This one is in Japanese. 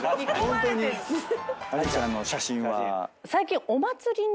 ありちゃんの写真は？